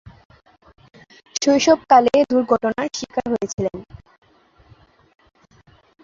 শৈশবকালে দূর্ঘটনার শিকার হয়েছিলেন।